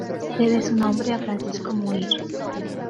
Debe su nombre a Francisco Muir.